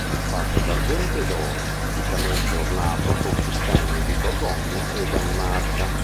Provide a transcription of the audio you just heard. È fatto d'argento e d'oro, riccamente ornato con gli stemmi di Borgogna e Danimarca.